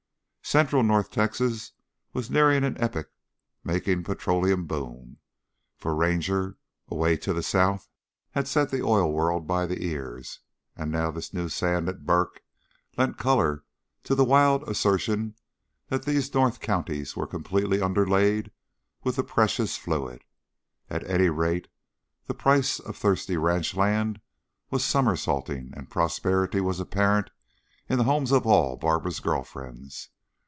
Central north Texas was nearing an epoch making petroleum boom, for Ranger, away to the south, had set the oil world by the ears, and now this new sand at "Burk" lent color to the wild assertion that these north counties were completely underlaid with the precious fluid. At any rate, the price of thirsty ranch lands was somersaulting and prosperity was apparent in the homes of all Barbara's girl friends.